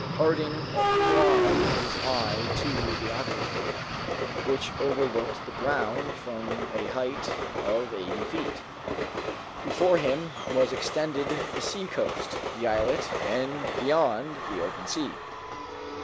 Harding applied his eye to the aperture, which overlooked the ground from a height of eighty feet. Before him was extended the sea coast, the islet, and beyond the open sea.